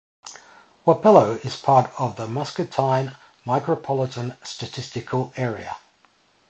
Wapello is part of the Muscatine Micropolitan Statistical Area.